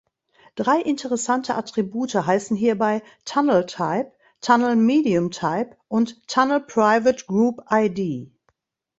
Drei interessante Attribute heißen hierbei „Tunnel-Type“, „Tunnel-Medium-Type“ und „Tunnel-Private-Group-Id“.